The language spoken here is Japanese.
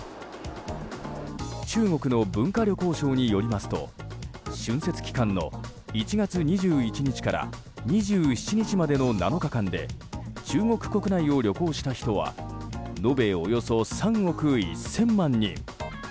中国の文化旅行省によりますと春節期間の１月２１日から２７日までの７日間で中国国内を旅行した人は延べおよそ３億１０００万人。